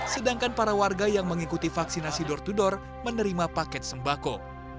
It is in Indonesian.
sedangkan para warga yang mengikuti vaksinasi door to door menerima paket sembako